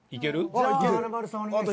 じゃあ華丸さんお願いしたい。